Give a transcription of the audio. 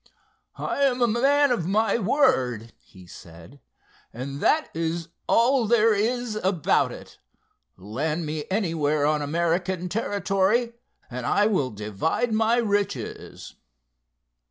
"I'm a man of my word," he said, "and that is all there is about it. Land me anywhere on American territory and I will divide my riches."